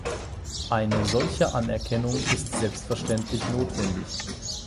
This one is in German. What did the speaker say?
Eine solche Anerkennung ist selbstverständlich notwendig.